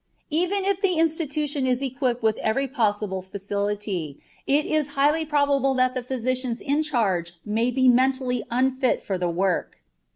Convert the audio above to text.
Even if the institution is equipped with every possible facility, it is highly probable that the physicians in charge may be mentally unfitted to the work.